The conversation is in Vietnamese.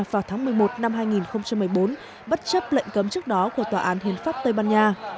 vào tháng một mươi một năm hai nghìn một mươi bốn bất chấp lệnh cấm trước đó của tòa án hiến pháp tây ban nha